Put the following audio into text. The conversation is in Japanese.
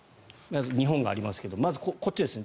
日本がありますがまず、こっちですね。